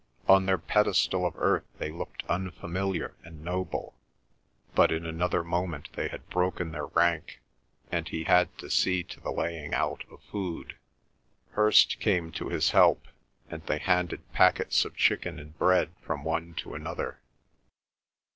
On their pedestal of earth they looked unfamiliar and noble, but in another moment they had broken their rank, and he had to see to the laying out of food. Hirst came to his help, and they handed packets of chicken and bread from one to another.